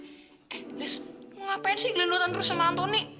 eh liz ngapain sih gelendutan terus sama antoni